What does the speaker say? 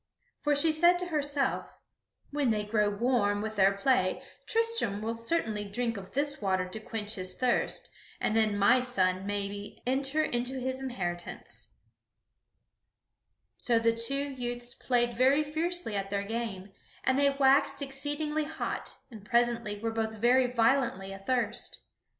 For she said to herself: "When they grow warm with their play, Tristram will certainly drink of this water to quench his thirst, and then my son will maybe enter into his inheritance." [Sidenote: The son of the Queen drinks of the poison] So the two youths played very fiercely at their game, and they waxed exceedingly hot and presently were both very violently athirst.